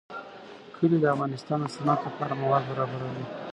کلي د افغانستان د صنعت لپاره مواد برابروي.